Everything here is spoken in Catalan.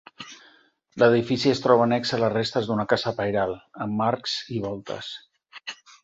L'edifici es troba annex a les restes d'una casa pairal amb arcs i voltes.